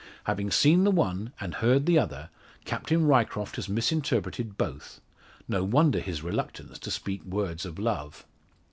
Having seen the one, and heard the other, Captain Ryecroft has misinterpreted both. No wonder his reluctance to speak words of love.